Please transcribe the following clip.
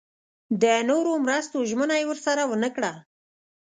د نورو مرستو ژمنه یې ورسره ونه کړه.